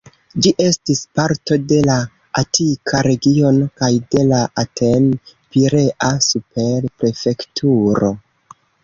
Ĝi estis parto de la Atika regiono kaj de la Aten-Pirea super-prefekturo.